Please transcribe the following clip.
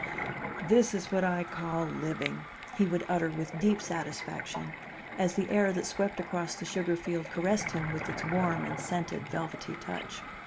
"This is what I call living," he would utter with deep satisfaction, as the air that swept across the sugar field caressed him with its warm and scented velvety touch.